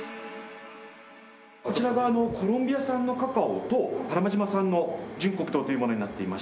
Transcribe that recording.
こちらがコロンビア産のカカオと多良間島産の純黒糖というものになっていまして。